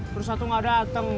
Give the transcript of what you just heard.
terus satu gak dateng